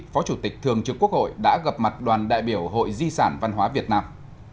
phó chủ tịch thường trực quốc hội đã gặp mặt đoàn đại biểu hội di sản văn hóa việt nam